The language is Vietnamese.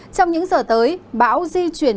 trong những giờ tới bão di chuyển